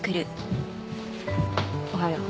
おはよう。